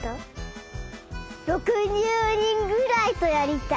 ６０にんぐらいとやりたい。